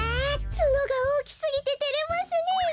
ツノがおおきすぎててれますねえ。